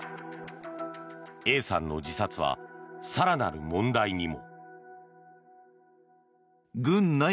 Ａさんの自殺は更なる問題にも。